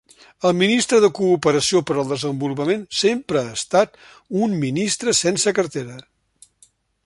El ministre de cooperació per al desenvolupament sempre ha estat un ministre sense cartera.